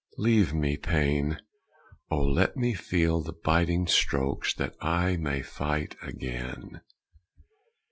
_Leave me pain! Oh let me feel the biting strokes That I may fight again!